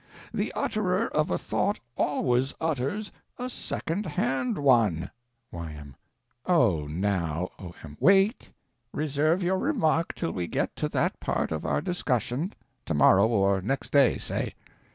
The utterer of a thought always utters a second hand one. Y.M. Oh, now— O.M. Wait. Reserve your remark till we get to that part of our discussion—tomorrow or next day, say.